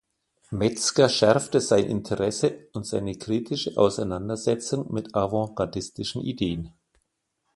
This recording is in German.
Metzger schärfte sein Interesse und seine kritische Auseinandersetzung mit avantgardistischen Ideen.